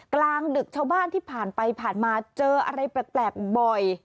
กลางดึกชาวบ้านที่ผ่านไปผ่านมาเจออะไรแปลกบ่อย